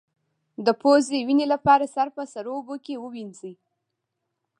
د پوزې وینې لپاره سر په سړو اوبو ووینځئ